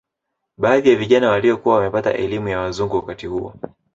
Baadhi ya Vijana waliokuwa wamepata elimu ya wazungu wakati huo